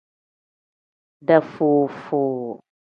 Dafuu-fuu.